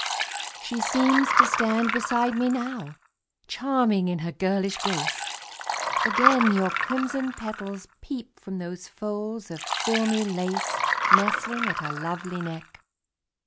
She seems to stand beside me now, Charming in her girlish grace; Again your crimson petals peep From those folds of filmy lace Nestling at her lovely neck.